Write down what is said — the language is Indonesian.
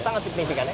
sangat signifikan ya